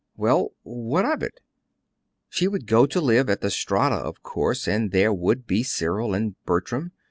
Well, what of it? She would go to live at the Strata, of course; and there would be Cyril and Bertram.